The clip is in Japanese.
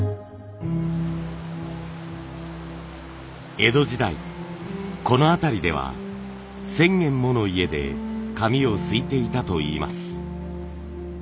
江戸時代この辺りでは１，０００軒もの家で紙をすいていたといいます。